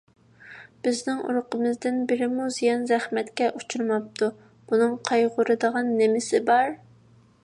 بىزنىڭ ئۇرۇقىمىزدىن بىرىمۇ زىيان - زەخمەتكە ئۇچرىماپتۇ. بۇنىڭ قايغۇرىدىغان نېمىسى بار؟